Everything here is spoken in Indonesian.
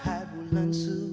kami akan mencoba